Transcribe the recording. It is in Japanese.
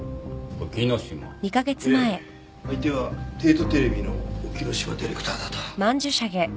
相手は帝都テレビの沖野島ディレクターだと